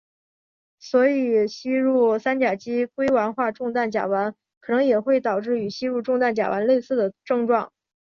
所以吸入三甲基硅烷化重氮甲烷可能也会导致与吸入重氮甲烷类似的症状。